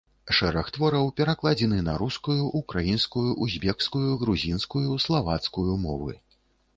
Шэраг твораў перакладзены на рускую, украінскую, узбекскую, грузінскую, славацкую мовы.